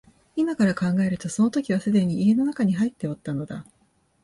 今から考えるとその時はすでに家の内に入っておったのだ